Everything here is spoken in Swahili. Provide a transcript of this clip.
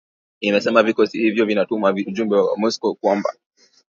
imesema vikosi hivyo vinatuma ujumbe kwa Moscow kwamba